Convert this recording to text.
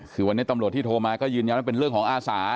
คือวันนี้ตำรวจที่โทรมาก็ยืนยันว่าเป็นเรื่องของอาสา